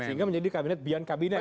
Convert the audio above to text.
sehingga menjadi kabinet beyond kabinet